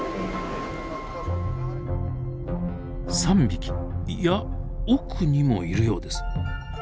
３匹いや奥にもいるようです。